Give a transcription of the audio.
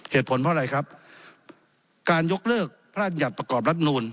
เหตุผลเพราะอะไรครับการยกเลิกพบประกอบรัฐนูล